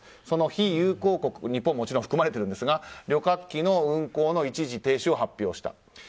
その非友好国、日本ももちろん含まれているんですが旅客機の一部運航を停止を発表した。